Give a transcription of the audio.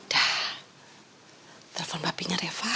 dah telepon papinya reva